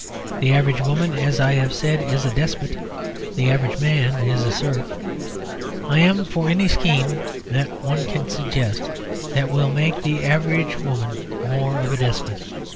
The average woman, as I have said, is a despot; the average man is a serf. I am for any scheme that any one can suggest that will make the average woman more of a despot.